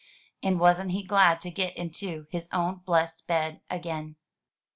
And wasn't he glad to get into his own blessed bed again!